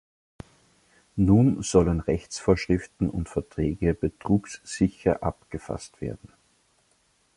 Nun sollen Rechtsvorschriften und Verträge betrugssicher abgefasst werden.